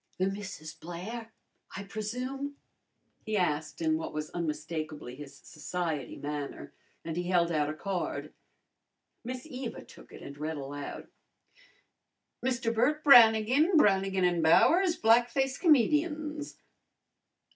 "The Misses Blair, I presume?" he asked in what was unmistakably his society manner, and he held out a card. Miss Eva took it and read aloud, "Mr. Bert Brannigan, Brannigan and Bowers, Black Face Comedians."